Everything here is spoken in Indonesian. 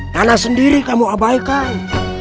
tanah sendiri kamu abaikan